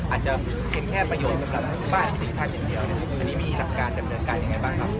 อาจจะเก็บแค่ประโยชน์กำลังปลอดภัยนี้เนี้ยแต่นี้มีการตำเนินการยังไงบ้างครับ